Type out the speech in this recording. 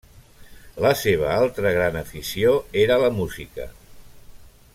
La seva altra gran afició era la música.